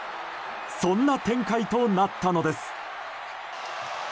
そんな展開となったのです。